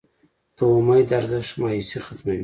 د امید ارزښت مایوسي ختموي.